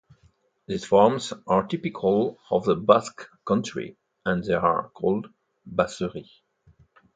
These farms are typical of the Basque Country and they are called "baserri".